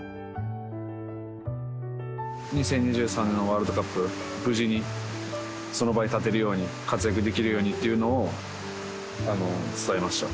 ２０２３年のワールドカップ、無事にその場に立てるように、活躍できるようにっていうのを伝えました。